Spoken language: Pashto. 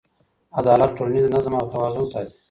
عدالت ټولنیز نظم او توازن ساتي.